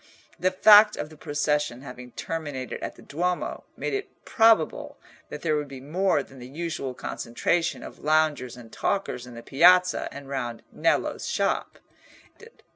The fact of the procession having terminated at the Duomo made it probable that there would be more than the usual concentration of loungers and talkers in the Piazza and round Nello's shop.